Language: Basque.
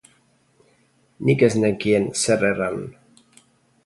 Nik ez nekien zer erran.